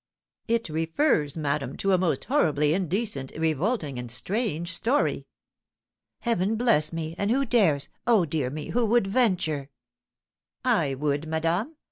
"It refers, madame, to a most horribly indecent, revolting, and strange story." "Heaven bless me! and who dares oh, dear me, who would venture " "I would, madame.